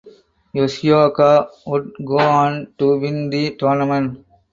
Yoshioka would go on to win the tournament.